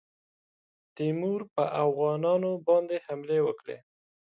تیمور پر اوغانیانو باندي حملې وکړې.